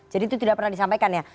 jadi itu tidak pernah disampaikan ya